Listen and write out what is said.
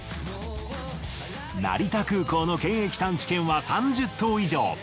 成田空港の検疫探知犬は３０頭以上。